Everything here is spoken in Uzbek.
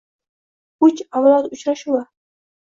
Uch avlod uchrashuvi